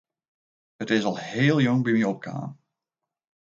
It is al heel jong by my opkommen.